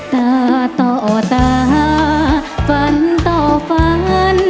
ตาต่อตาฝันต่อฝัน